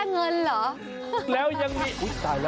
แค่เงินหรอ